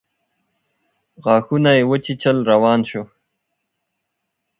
غاښونه يې وچيچل روان شو.